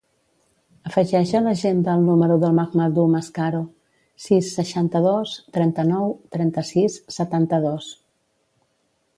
Afegeix a l'agenda el número del Mahamadou Mascaro: sis, seixanta-dos, trenta-nou, trenta-sis, setanta-dos.